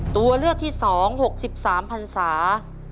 ตัวเลือกที่๒๖๓พันศา